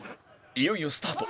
いよいよスタート。